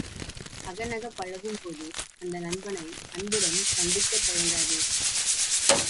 அகநகப் பழகும்போது, அந்த நண்பனை அன்புடன் கண்டிக்கத் தயங்காதே!